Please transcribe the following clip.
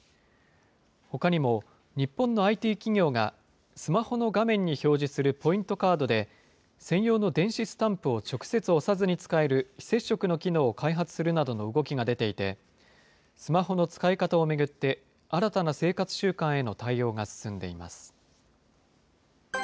ほかにも、日本のＩＴ企業がスマホの画面に表示するポイントカードで、専用の電子スタンプを直接押さずに使える非接触の機能を開発するなどの動きが出ていて、スマホの使い方を巡って、新たな生活習慣への対応が進んでいます。